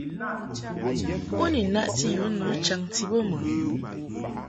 U ni naʼti yu nu chaŋti bə mɨ ?